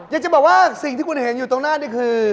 อยากจะบอกว่าสิ่งที่คุณเห็นอยู่ตรงหน้านี่คือ